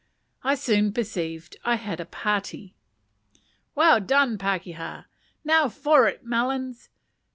I soon perceived I had a "party." "Well done, pakeha!" "Now for it, Melons!"